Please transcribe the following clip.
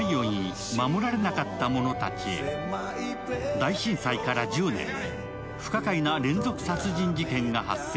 大震災から１０年、不可解な連続殺人事件が発生。